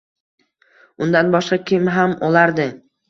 Undan boshqa kim ham olardi